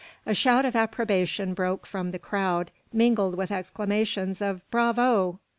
A shout of approbation broke from the crowd, mingled with exclamations of "Bravo!"